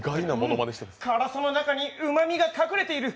辛さの中にうまみが隠れている！